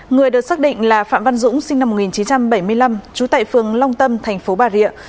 người được xác định là phạm văn dũng sinh năm một nghìn chín trăm bảy mươi năm trú tại phường long tâm thành phố bà rịa